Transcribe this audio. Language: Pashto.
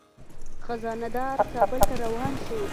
خزانه دار کابل ته روان شو.